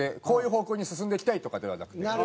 こういう方向に進んでいきたいとかではなくて。